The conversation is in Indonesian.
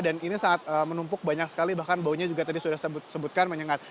dan ini sangat menumpuk banyak sekali bahkan baunya juga tadi sudah disebutkan menyengat